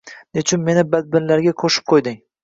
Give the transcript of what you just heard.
Nechun meni badbinlarga qoʼshib qoʼyding